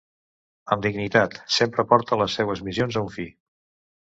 Amb dignitat, sempre porta les seues missions a un fi.